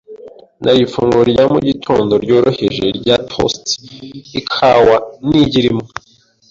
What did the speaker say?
Nariye ifunguro rya mu gitondo ryoroheje rya toast, ikawa, n'igi rimwe .)